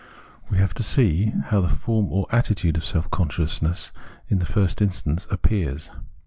We have to see how the form or attitude of seK consciousness in the first instance appears.